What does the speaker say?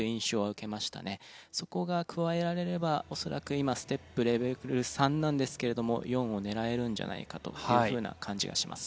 そこが加えられれば恐らく今ステップレベル３なんですけれども４を狙えるんじゃないかという風な感じがします。